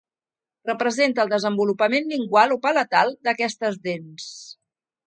Representa el desenvolupament lingual o palatal d'aquestes dents.